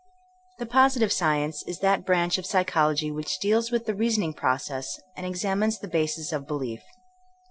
The positive science is that brandi of psychol ogy which deals with the reasoning process and examines the basis of belief.